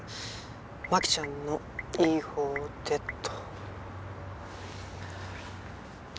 マキちゃんのいい方で」っと。